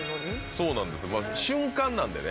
そうなんです瞬間なんでね。